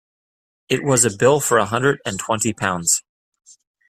It was a bill for a hundred and twenty pounds.